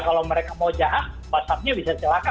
kalau mereka mau jahat whatsappnya bisa celaka